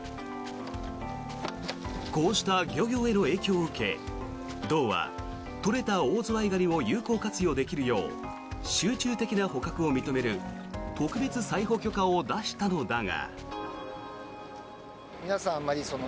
こうした漁業への影響を受け道は、取れたオオズワイガニを有効活用できるよう集中的な捕獲を認める特別採捕許可を出したのだが。